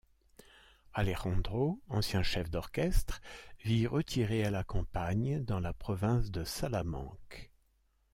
Alejandro, ancien chef d'orchestre, vit retiré à la campagne, dans la province de Salamanque.